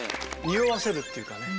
におわせるっていうかね。